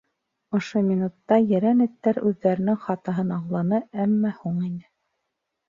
Ошо минутта ерән эттәр үҙҙәренең хатаһын аңланы, әммә һуң ине.